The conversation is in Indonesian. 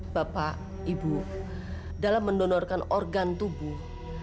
bapak ibu dalam mendonorkan organ tubuh